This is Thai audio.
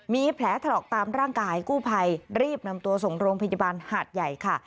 มีแผลถลอกตามร่างกายกู้ภัยรีบนำตัวส่งโรงพยาบาลหาดใหญ่ค่ะ